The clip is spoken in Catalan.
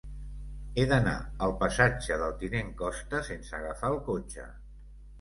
He d'anar al passatge del Tinent Costa sense agafar el cotxe.